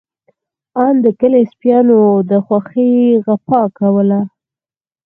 آن د کلي سپيانو د خوښۍ غپا کوله.